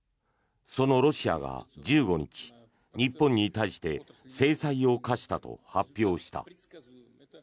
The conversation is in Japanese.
そのロシアが１５日日本に対して制裁を科したと発表した。